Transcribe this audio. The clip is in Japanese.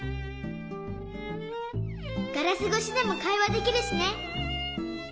ガラスごしでもかいわできるしね。